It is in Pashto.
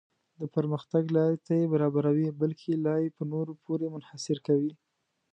د پرمختګ لارې ته یې برابروي بلکې لا یې په نورو پورې منحصر کوي.